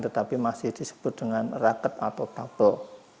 tetapi masih disebut dengan raket atau tabel